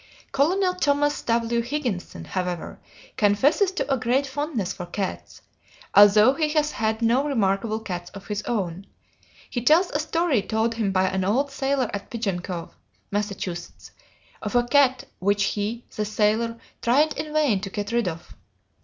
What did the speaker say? Colonel Thomas W. Higginson, however, confesses to a great fondness for cats, although he has had no remarkable cats of his own. He tells a story told him by an old sailor at Pigeon Cove, Mass., of a cat which he, the sailor, tried in vain to get rid of.